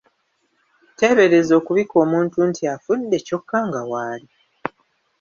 Teebereza okubika omuntu nti afudde kyokka nga w'ali!